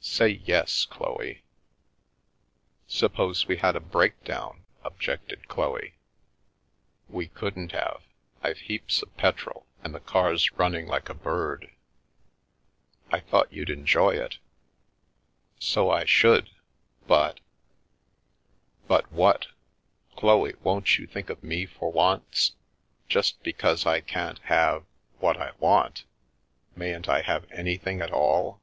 Say yes, Chloe !" Suppose we had a break down?" objected Chloe. We couldn't have. I've heaps of petrol and the car's running like a bird. I thought you'd enjoy it." " So I should. But "" But what? Chloe, won't you think of me for once? Just because I can't have — what I want, mayn't I have anything at all?